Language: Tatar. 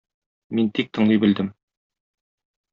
Мин тик тыңлый белдем.